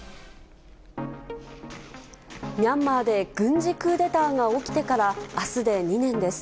ミャンマーで軍事クーデターが起きてから、あすで２年です。